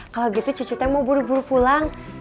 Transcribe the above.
kalau gitu cucu saya mau buru buru pulang